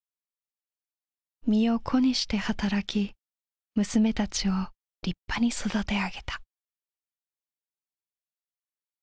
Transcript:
身を粉にして働き娘たちを立派に育て上げた。